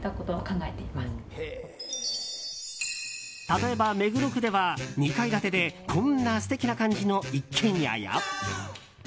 例えば目黒区では２階建てでこんな素敵な感じの一軒家や。